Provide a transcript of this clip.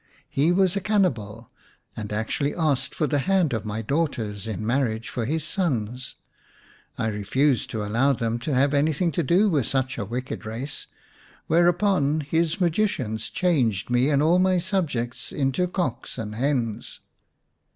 He was a cannibal, and actually asked for the hand of my daughters in marriage for his sons. I refused to allow them to have anything to do with such a wicked race, whereupon his magicians changed me and all my subjects into cocks and hens."